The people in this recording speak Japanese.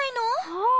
ああ！